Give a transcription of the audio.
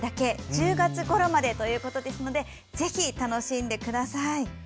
１０月ごろまでということですのでぜひ、楽しんでください。